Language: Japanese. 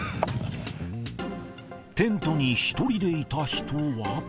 テントに１人でいた人は。